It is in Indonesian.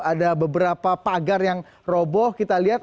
ada beberapa pagar yang roboh kita lihat